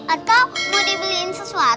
atau mau dibeliin sesuatu